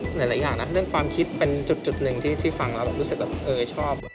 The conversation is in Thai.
หลายอย่างนะเรื่องความคิดเป็นจุดหนึ่งที่ฟังแล้วแบบรู้สึกแบบเออชอบ